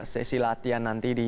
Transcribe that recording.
sesi latihan nanti di